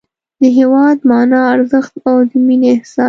د هېواد مانا، ارزښت او د مینې احساس